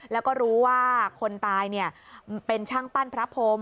แล้วก็รู้ว่าคนตายเป็นช่างปั้นพระพรม